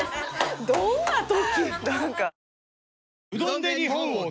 どんな時？